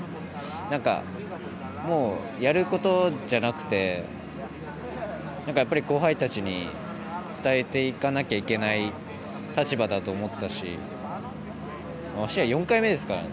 なんか、もうやることじゃなくて後輩たちに伝えていかなければいけない立場だと思ったし試合、４回目ですからね。